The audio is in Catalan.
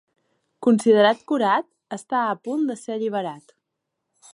Considerat curat, està a punt de ser alliberat.